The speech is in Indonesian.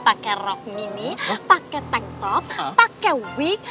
pakai rok mini pakai tank top pakai wig